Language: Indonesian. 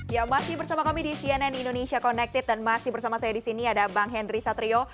ya masih bersama kami di cnn indonesia connected dan masih bersama saya di sini ada bang henry satrio